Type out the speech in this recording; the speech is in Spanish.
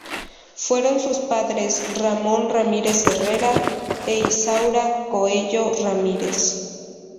Fueron sus padres Ramón Ramírez Herrera e Isaura Coello Ramírez.